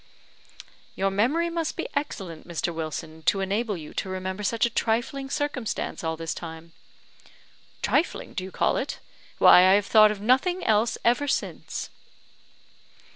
"Your memory must be excellent, Mr. Wilson, to enable you to remember such a trifling circumstance all this time." "Trifling, do you call it? Why, I have thought of nothing else ever since."